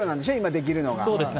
できるのが。